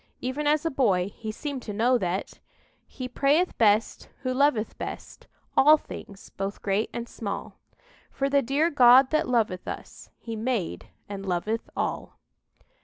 Even as a boy he seemed to know that "He prayeth best who loveth best All things both great and small; For the dear God that loveth us, He made and loveth all."